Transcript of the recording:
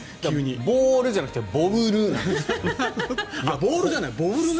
ボールじゃなくてボウルなんです。